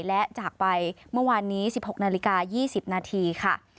และจากไปเมื่อวานนี้๑๖นาฬิกา๒๐นาทีค่ะ